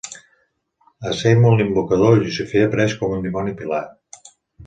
A Samon l'Invocador, Llucifer apareix com un dimoni pilar.